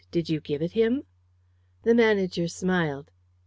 Did you give it him?" The manager smiled.